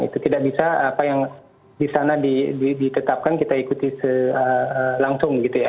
itu tidak bisa apa yang di sana ditetapkan kita ikuti langsung gitu ya